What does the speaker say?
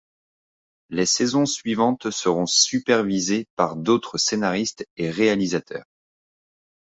Les saisons suivantes seront supervisées par d'autres scénaristes et réalisateurs.